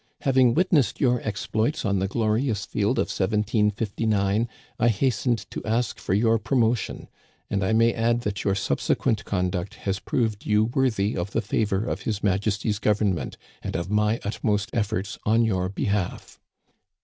Having witnessed your exploits on the glorious field of 1759, I hastened to ask for your promotion; and I may add that your subsequent conduct has proved you worthy of the favor of His Majesty's Government, and of my utmost efforts on your behalf.'